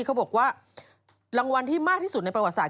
เขาบอกว่ารางวัลที่มากที่สุดในประวัติศาส